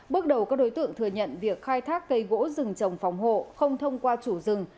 bước đầu các đối tượng thừa nhận việc khai thác cây gỗ rừng trồng phòng hộ không thông qua chủ rừng